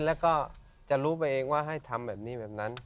แล้วก็จะรู้ไปเองว่าให้ทำแบบนี้แบบนั้น